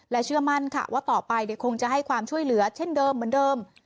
เชื่อมั่นค่ะว่าต่อไปคงจะให้ความช่วยเหลือเช่นเดิมเหมือนเดิม